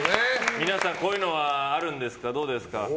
皆さんこういうのはあるんですか？